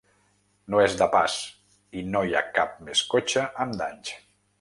No és de pas i no hi ha cap més cotxe amb danys.